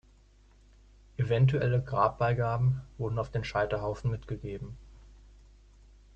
Eventuelle Grabbeigaben wurden auf den Scheiterhaufen mitgegeben.